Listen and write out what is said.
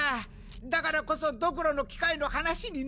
だからこそドクロの機械の話に乗った。